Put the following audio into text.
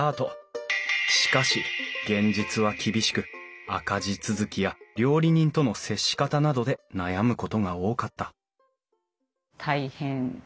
しかし現実は厳しく赤字続きや料理人との接し方などで悩むことが多かった